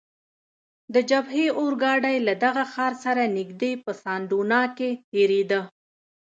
د جبهې اورګاډی له دغه ښار سره نږدې په سان ډونا کې تیریده.